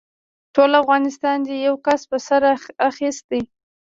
ټول افغانستان دې يوه کس په سر اخيستی.